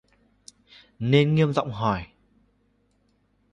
Nên Nghiêm giọng hỏi